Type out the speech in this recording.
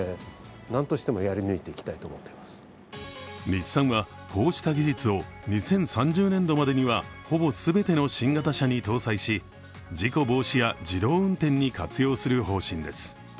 日産はこうした技術を２０３０年度までにはほぼ全ての新型車に搭載し、事故防止や自動運転に活用する方針です。